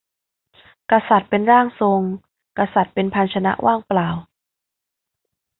กษัตริย์เป็นร่างทรง กษัตริย์เป็นภาชนะว่างเปล่า